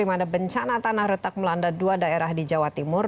di mana bencana tanah retak melanda dua daerah di jawa timur